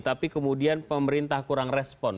tapi kemudian pemerintah kurang respon